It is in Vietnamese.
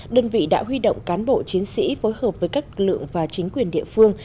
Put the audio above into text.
đơn vị đã huy động cán bộ chiến sĩ phối hợp với các lực lượng và chính quyền địa phương